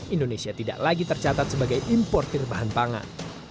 indonesia tidak lagi tercatat sebagai importer bahan pangan